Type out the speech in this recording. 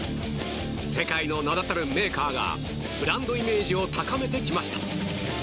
世界の名だたるメーカーがブランドイメージを高めてきました。